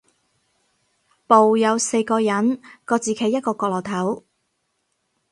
部有四個人，各自企一個角落頭